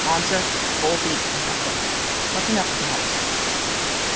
answer, four feet nothing: but enough of nonsense.'